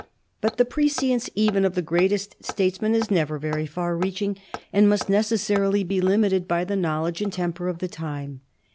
But the prescience even of the greatest statesman is never very far reaching, and must necessarily be limited by the knowledge and temper of the time.